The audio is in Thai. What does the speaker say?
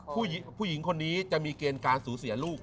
คุณพิเครียมเขาจะมีกรรมการสูญสีลูก